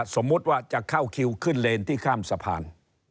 สมมุติว่าจะเข้าคิวขึ้นเลนที่ข้ามสะพาน